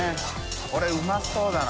これうまそうだな